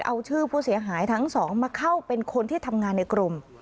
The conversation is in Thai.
เอาชื่อผู้เสียหายทั้งสองมาเข้าเป็นคนที่ทำงานในกรม